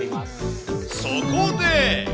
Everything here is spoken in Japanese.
そこで。